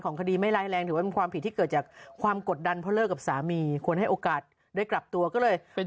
ร้องอายานี่คือทำซ้ำนี่คือเข้าเลย